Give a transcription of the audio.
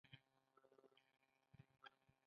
آیا دوی اوس ډالر او یورو نه ساتي؟